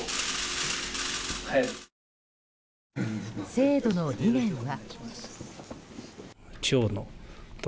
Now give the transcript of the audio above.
制度の理念は。